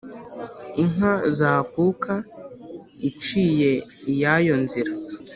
inka zakuka, iciye iyayo nzira,